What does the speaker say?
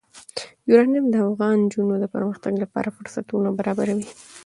یورانیم د افغان نجونو د پرمختګ لپاره فرصتونه برابروي.